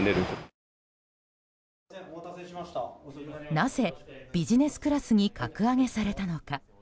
なぜ、ビジネスクラスに格上げされたのか。